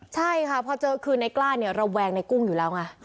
ใช่ค่ะพอเจอคือในกล้าเนี่ยระแวงในกุ้งอยู่แล้วไง